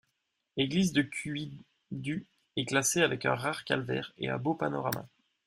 Église de Cuis du et classée avec un rare calvaire et un beau panorama.